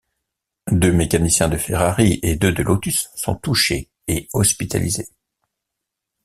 Deux mécaniciens de Ferrari et deux de Lotus sont touchés et hospitalisés.